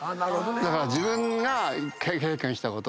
だから自分が経験したこと。